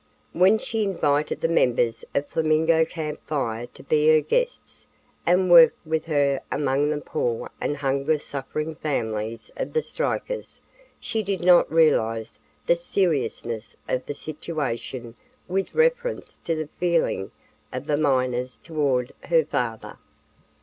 When she invited the members of Flamingo Camp Fire to be her guests and work with her among the poor and hunger suffering families of the strikers she did not realize the seriousness of the situation with reference to the feeling of the miners toward her father.